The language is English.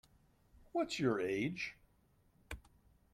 What's your age?